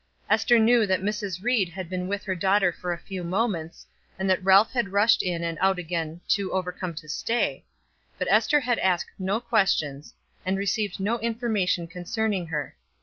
Ester knew that Mrs. Ried had been with her daughter for a few moments, and that Ralph had rushed in and out again, too overcome to stay, but Ester had asked no questions, and received no information concerning her.